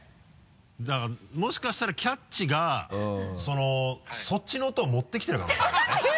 だからもしかしたら「キャッチ！」がそのそっちの音を持ってきてるかもしれないよね。